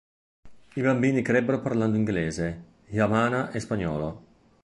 I bambini crebbero parlando Inglese, Yamana e spagnolo.